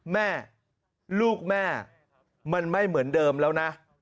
แม่ลูกแม่มันไม่เหมือนเดิมแล้วนะ